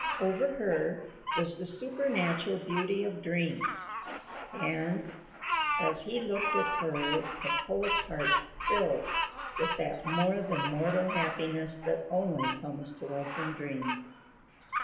Over her was the supernatural beauty of dreams and as he looked at her the poet's heart filled with that more than mortal happiness that only comes to us in dreams.